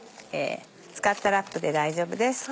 使ったラップで大丈夫です。